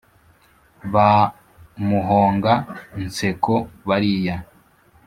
ba muhonga-nseko bariya